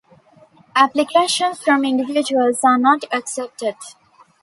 Applications from individuals are not accepted.